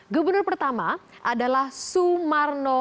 gubernur pertama adalah sumarno